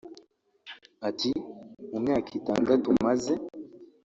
Ati ” Mu myaka itandatu maze